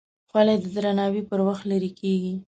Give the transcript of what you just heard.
خولۍ د درناوي پر وخت لرې کېږي.